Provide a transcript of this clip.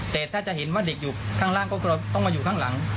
แต่ถ้าจะเห็นว่าเด็กอยู่ข้างล่างก็ต้องมาอยู่ข้างหลัง